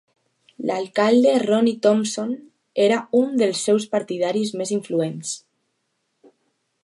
L'alcalde Ronnie Thompson era un dels seus partidaris més influents.